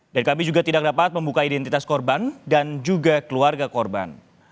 dan kami juga tidak dapat membuka identitas korban dan juga keluarga korban